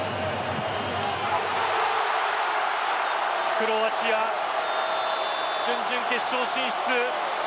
クロアチア準々決勝進出。